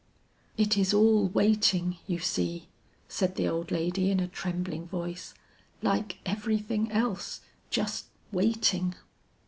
"It is all waiting you see," said the old lady in a trembling voice, "like everything else, just waiting."